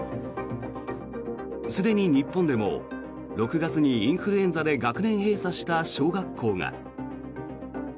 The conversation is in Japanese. すでに日本でも６月にインフルエンザで学年閉鎖した小学校が。